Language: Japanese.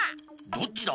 どっちだ？